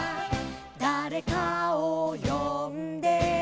「だれかをよんで」